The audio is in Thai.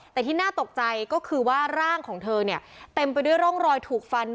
แต่ที่น่าตกใจก็คือว่าร่างของเธอเนี่ยเต็มไปด้วยร่องรอยถูกฟัน